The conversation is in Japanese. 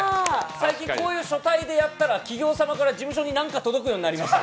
最近、こういう書体でやったら、企業様から事務所に何か届くようになりました。